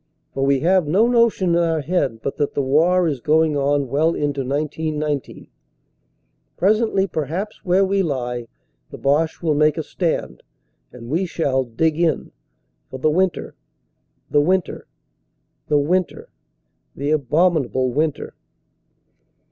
For we have no notion in our head but that the war is going on well into 1919. Presently perhaps where we lie the Boche will make a stand; and we shall "dig in" for the winter the winter, the winter, the abominable winter.